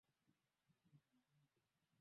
Kiarabu Mwaka wakazi wote walifika wahamiaji Hivyo